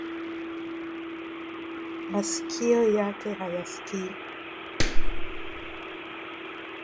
Maskio yake hayaskii